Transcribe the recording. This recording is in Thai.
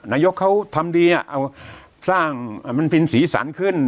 นายกเขาทำดีอ่ะเอาสร้างมันเป็นศรีสรรค์ขึ้น